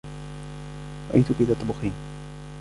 رأيتك تطبخين.